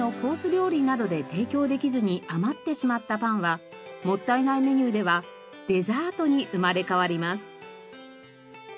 料理などで提供できずに余ってしまったパンはもったいないメニューではデザートに生まれ変わります。